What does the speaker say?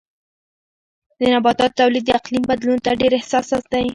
د نباتاتو تولید د اقلیم بدلون ته ډېر حساس دی.